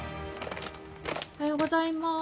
おはようございます。